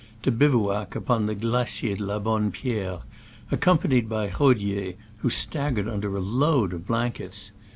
to bivouac upon the Glacier de la Bonne Pierre, accompanied by Rodier, who staggered under a load of blankets.